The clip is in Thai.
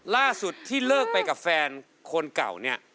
ล่าสุดที่เลิกไปกับแฟนคนเก่าเนี่ย